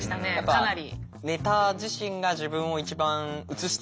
かなり。